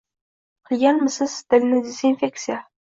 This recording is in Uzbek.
Qilganmisiz dilni dezinfektsiya?!